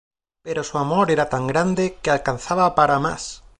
Pero su amor era tan grande que alcanzaba para más.